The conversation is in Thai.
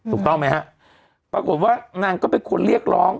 ถูกต้องไหมฮะปรากฏว่านางก็เป็นคนเรียกร้อง